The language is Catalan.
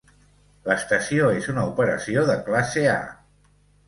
L'estació és una operació de classe A.